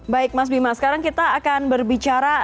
baik mas bima sekarang kita akan berbicara